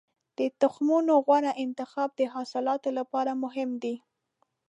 د تخمونو غوره انتخاب د حاصلاتو لپاره مهم دی.